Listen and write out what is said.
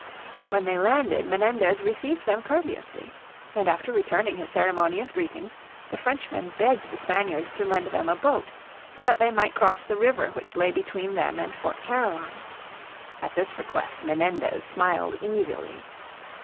When they landed Menendez received them courteously. And after returning his ceremonious greetings the Frenchmen begged the Spaniards to lend them a boat so that they might cross the river which lay between them and Fort Caroline. At this request Menendez smiled evilly.